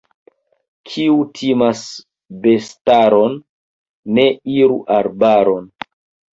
Kiu timas bestaron, ne iru arbaron.